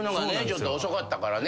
ちょっと遅かったからね。